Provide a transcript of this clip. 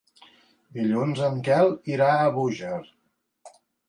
Dilluns en Quel irà a Búger.